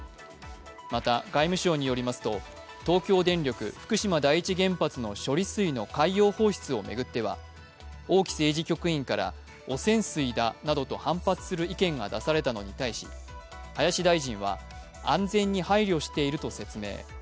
また、外務省によりますと東京電力福島第一原発の処理水の海洋放出を巡っては王毅政治局員から汚染水だなどと反発する意見が出されたのに対し林大臣は、安全に配慮していると説明。